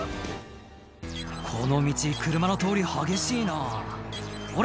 この道車の通り激しいなほら